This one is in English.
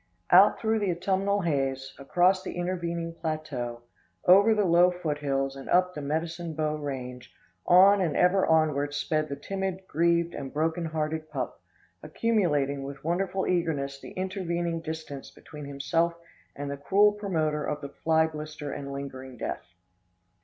Out through the autumnal haze, across the intervening plateau, over the low foot hills, and up the Medicine Bow Range, on and ever onward sped the timid, grieved and broken hearted pup, accumulating with wonderful eagerness the intervening distance between himself and the cruel promoter of the fly blister and lingering death.